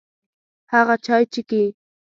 هغه چای چیکي.